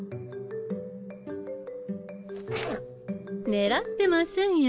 ねらってませんよ。